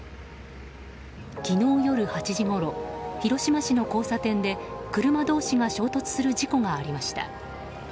昨日夜８時ごろ広島市の交差点で車同士が衝突する事故がありました。